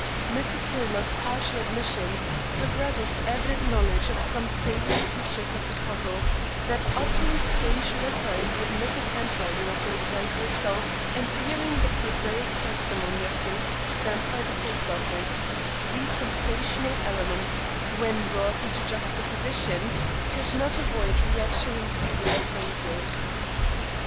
Mrs. Hillmer's partial admissions, her brother's evident knowledge of some salient features of the puzzle, that utterly strange letter in the admitted handwriting of Lady Dyke herself, and bearing the prosaic testimony of dates stamped by the Post office these sensational elements, when brought into juxtaposition, could not avoid reaction into clearer phases.